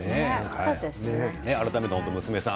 改めて娘さん